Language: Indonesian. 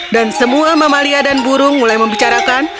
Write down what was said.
semua mamalia dan burung mulai membicarakan